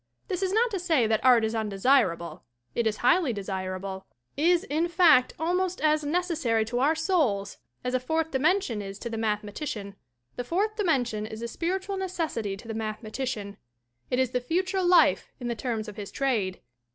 This is not to say that art is undesirable; it is highly desirable, is, in fact, almost as necessary to our souls as a fourth dimension is to the mathe matician. The fourth dimension is a spiritual neces sity to the mathematician; it is the future life in the terms of his trade.